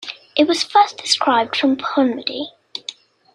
It was first described from Ponmudi.